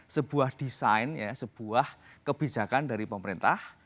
sebuah desain sebuah kebijakan dari pemerintah